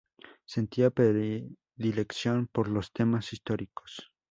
Sentía predilección por los temas históricos.